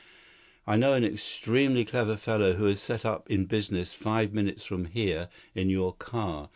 I know an extremely clever fellow, who has set up in business five minutes from here in your car.